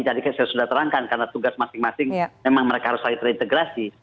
jadi saya sudah terangkan karena tugas masing masing memang mereka harus saling terintegrasi